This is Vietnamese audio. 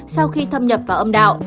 sau khi thâm nhập vào âm đạo